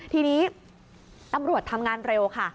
ทีนี้ตำรวจทำงานเร็วค่ะ